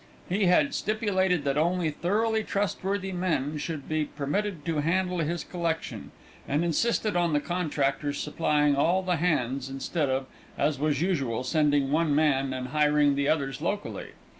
He had stipulated that only thoroughly trustworthy men should be permitted to handle his collection, and insisted on the contractors supplying all the hands instead of, as was usual, sending one man and hiring the others locally.